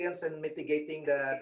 yang memiliki kesehatan publik